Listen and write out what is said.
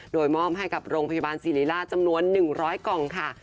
โดยมอบให้กับโรงพยาบาลศิริราชจำนวน๑๐๐กล่องค่ะ